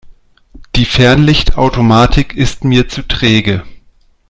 Die Fernlichtautomatik ist mir zu träge.